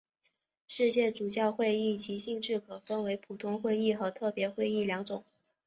世界主教会议依其性质可分为普通会议和特别会议两种。